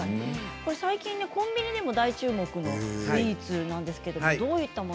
最近、コンビニでも大注目のスイーツなんですね。